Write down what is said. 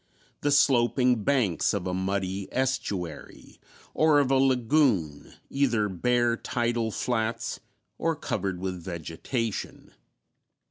22) the sloping banks of a muddy estuary or of a lagoon, either bare tidal flats or covered with vegetation.